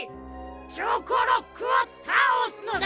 チョコロックをたおすのだ！